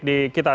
dalam hal ini